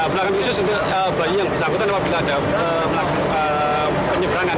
belakangan khusus untuk bayi yang bersangkutan apabila ada penyeberangan